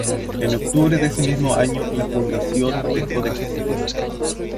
En octubre de ese mismo año la Fundación dejó de existir.